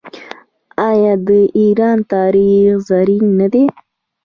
آیا د ایران تاریخ زرین نه دی؟